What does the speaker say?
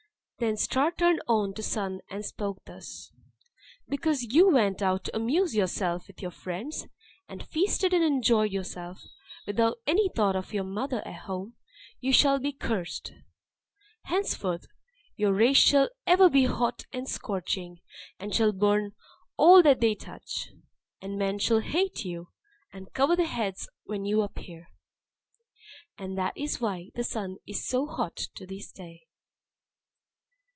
Then Star turned to Sun and spoke thus, "Because you went out to amuse yourself with your friends, and feasted and enjoyed yourself, without any thought of your mother at home you shall be cursed. Henceforth, your rays shall ever be hot and scorching, and shall burn all that they touch. And men shall hate you, and cover their heads when you appear." (And that is why the Sun is so hot to this day.)